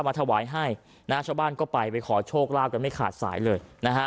มาถวายให้ชาวบ้านก็ไปขอโชคลาวกันไม่ขาดสายเลย